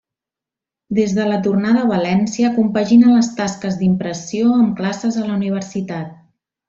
Des de la tornada a València compagina les tasques d'impressió amb classes a la Universitat.